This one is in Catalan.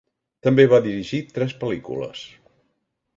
També va dirigir tres pel·lícules.